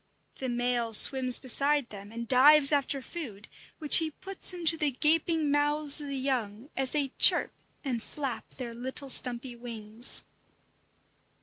The male swims beside them and dives after food, which he puts into the gaping mouths of the young as they chirp and flap their little stumpy wings.